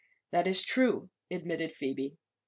"That is true," admitted Phoebe.